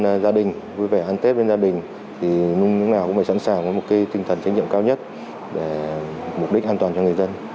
là gia đình vui vẻ ăn tết với gia đình thì nung nào cũng phải sẵn sàng với một cái tinh thần trách nhiệm cao nhất để mục đích an toàn cho người dân